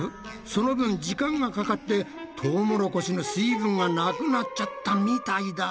その分時間がかかってトウモロコシの水分がなくなっちゃったみたいだ！